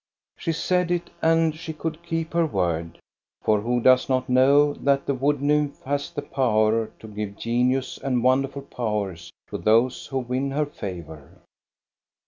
She said it and she could keep her word. For who does not know that the wood nymph has the power to give genius and wonderful powers to those who win her favor